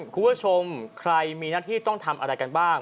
คุณผู้ชมใครมีหน้าที่ต้องทำอะไรกันบ้าง